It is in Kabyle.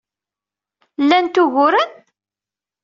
Lant uguren?